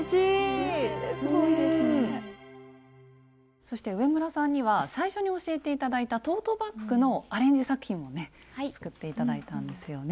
そして上村さんには最初に教えて頂いたトートバッグのアレンジ作品もね作って頂いたんですよね。